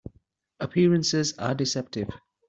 Appearances are deceptive.